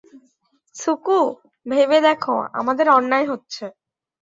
সুকু, ভেবে দেখো, আমাদের অন্যায় হচ্ছে ।